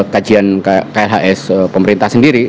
kajian klhs pemerintah sendiri